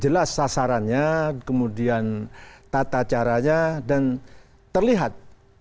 jelas sasarannya kemudian tata caranya dan terlihat